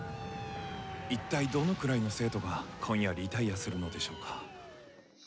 一体どのくらいの生徒が今夜リタイアするのでしょうか。